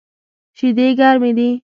شیدې ګرمی دی